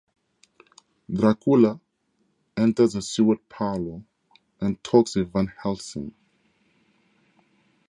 Dracula enters the Seward parlour and talks with Van Helsing.